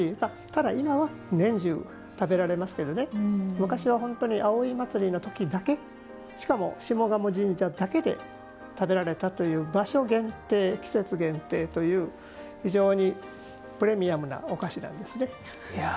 ただ、今は年中食べられますけどもね。昔は本当に葵祭のときだけしかも下鴨神社だけで食べられたという場所限定、季節限定という非常にプレミアムなお菓子なんですね。